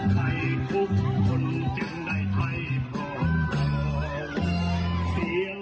น้ำภาพของใครไหลหลัง